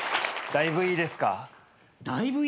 だいぶいいですか？